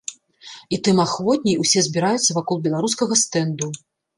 І тым ахвотней усе збіраюцца вакол беларускага стэнду.